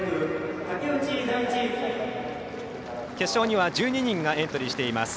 決勝には１２人がエントリーしています。